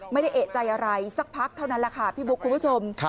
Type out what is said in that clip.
ไม่ได้เอกใจอะไรสักพักเท่านั้นแหละค่ะพี่บุ๊คคุณผู้ชม